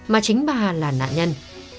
mà chính bà là nạn nhân